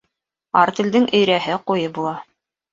Артелдең өйрәһе ҡуйы була.